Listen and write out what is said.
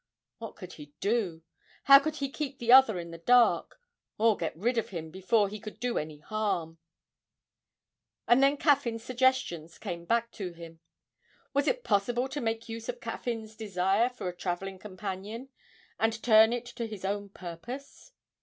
What could he do? how could he keep the other in the dark, or get rid of him, before he could do any harm? And then Caffyn's suggestions came back to him. Was it possible to make use of Caffyn's desire for a travelling companion, and turn it to his own purpose?